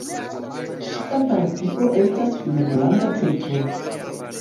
Ŝia partio estas Finnlanda Centro.